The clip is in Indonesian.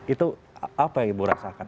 itu apa yang ibu rasakan